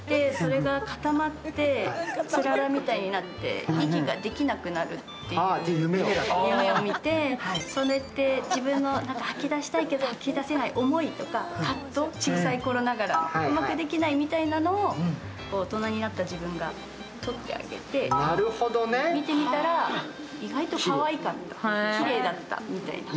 つららみたいになって、息ができなくなるっていう夢を見てそれって自分が吐き出したいけど吐き出したい思いとか小さい頃ながらの。うまくできないみたいなのを大人になった自分が取ってあげて見てみたら意外とかわいかった、きれいだったみたいな。